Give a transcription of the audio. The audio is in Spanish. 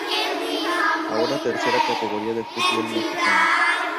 Ahora Tercera Categoría del Fútbol Mexicano.